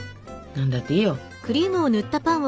何だっていいよ。